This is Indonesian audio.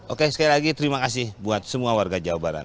oke sekali lagi terima kasih buat semua warga jawa barat